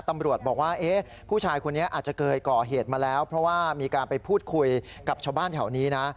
ตำรวจบอกว่าเอ๊ะผู้ชายคนนี้อาจจะเคยก่อเหตุมาแล้วเพราะว่ามีการไปพูดคุยกับชาวบ้านแถวนี้นะ